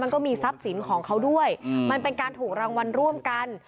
มันก็มีทรัพย์สินของเขาด้วยมันเป็นการถูกรางวัลร่วมกัน